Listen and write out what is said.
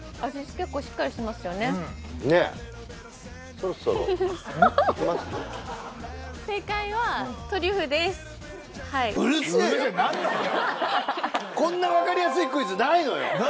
結構しっかりしてますよねねえこんな分かりやすいクイズないのよ何？